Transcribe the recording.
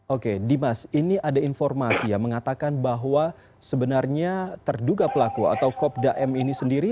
oke dimas ini ada informasi yang mengatakan bahwa sebenarnya terduga pelaku atau kopda m ini sendiri